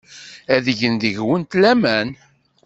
Ad gen deg-went laman.